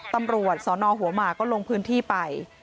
ตำรวจสนหัวหมากก็ลงพื้นที่ไป